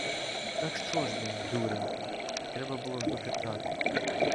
— Так що ж він, дурень! Треба було ж допитати.